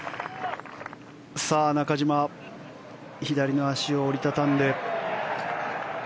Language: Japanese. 中島左の足を折りたたんで。